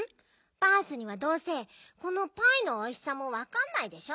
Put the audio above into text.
バースにはどうせこのパイのおいしさもわかんないでしょ。